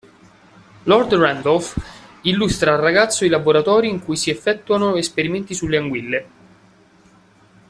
Lord Randolph illustra al ragazzo i laboratori in cui si effettuano esperimenti sulle anguille.